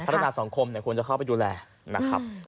พัฒนาส่องคมเนี่ยควรถูกเก็บดูแลนะครับ